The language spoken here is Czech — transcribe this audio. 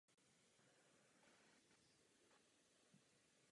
Právě z tohoto důvodu se tomuto počítači přezdívalo the cube.